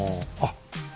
あっ。